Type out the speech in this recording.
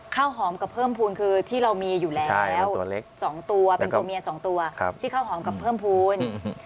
ข้าวหอมกับเพิ่มภูมิคือที่เรามีอยู่แล้ว๒ตัวเป็นตัวเมีย๒ตัวที่ข้าวหอมกับเพิ่มภูมิ